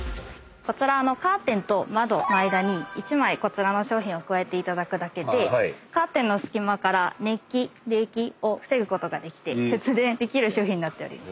カーテンと窓の間に１枚こちらの商品を加えていただくだけでカーテンの隙間から熱気・冷気を防ぐことができて節電できる商品になっております。